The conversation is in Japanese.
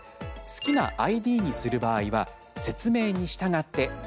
好きなＩＤにする場合は説明に従って設定していきます。